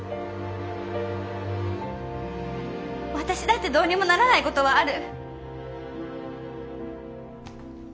私だってどうにもならないことはある。